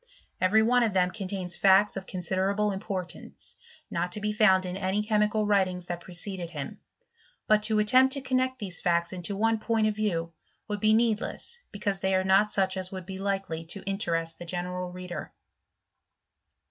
Every one of them' contains facts of con siderable importance, not to be found in any chemical writings that preceded him; but to attempt to connect these facts into one point of view would be needless, because they are not such as Vould be likely to in terest the general reader.